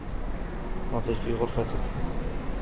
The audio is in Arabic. نظفي غرفتكِ.